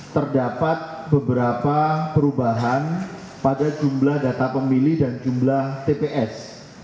terdapat beberapa perubahan pada jumlah data pemilih dan jumlah tps